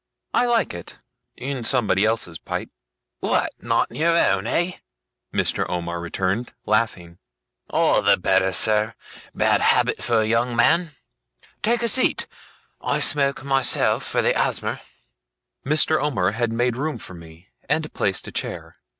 'I like it in somebody else's pipe.' 'What, not in your own, eh?' Mr. Omer returned, laughing. 'All the better, sir. Bad habit for a young man. Take a seat. I smoke, myself, for the asthma.' Mr. Omer had made room for me, and placed a chair.